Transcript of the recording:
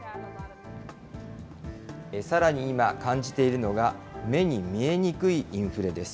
さらに今、感じているのが、目に見えにくいインフレです。